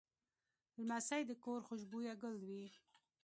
لمسی د کور خوشبویه ګل وي.